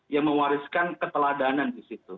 yang mewariskan keteladanan di situ